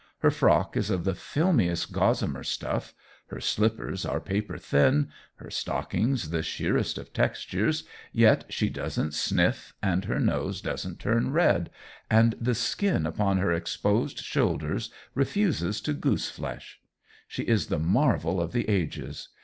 Her frock is of the filmiest gossamer stuff; her slippers are paper thin, her stockings the sheerest of textures, yet she doesn't sniff and her nose doesn't turn red and the skin upon her exposed shoulders refuses to goose flesh. She is the marvel of the ages.